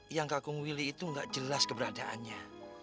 yang kakung willy itu nggak jelas keberadaannya